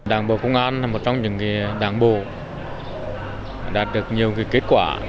đảng bộ công an là một trong những đảng bộ đã được nhiều kết quả